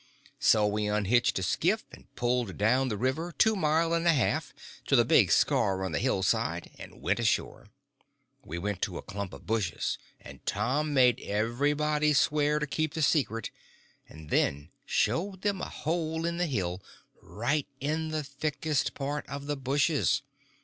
So we unhitched a skiff and pulled down the river two mile and a half, to the big scar on the hillside, and went ashore. We went to a clump of bushes, and Tom made everybody swear to keep the secret, and then showed them a hole in the hill, right in the thickest part of the bushes.